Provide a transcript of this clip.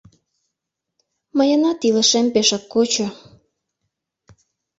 Мыйынат илышем пешак кочо…